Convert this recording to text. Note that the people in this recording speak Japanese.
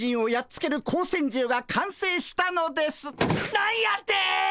何やて！？